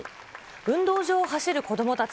運動場を走る子どもたち。